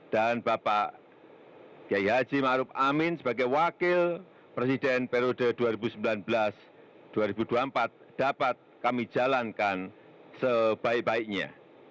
dan bapak gaya haji ma'ruf amin sebagai wakil presiden perode dua ribu sembilan belas dua ribu dua puluh empat dapat kami jalankan sebaik baiknya